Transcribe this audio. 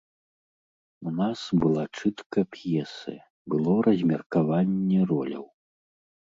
У нас была чытка п'есы, было размеркаванне роляў.